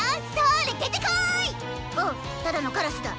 おっただのカラスだ。